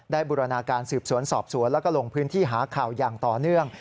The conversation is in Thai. บูรณาการสืบสวนสอบสวนแล้วก็ลงพื้นที่หาข่าวอย่างต่อเนื่อง